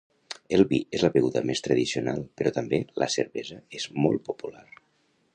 El vi és la beguda més tradicional però també la cervesa és molt popular.